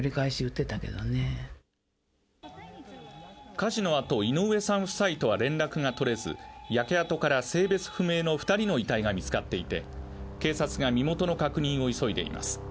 火事のあと井上さん夫妻とは連絡が取れず焼け跡から性別不明の二人の遺体が見つかっていて警察が身元の確認を急いでいます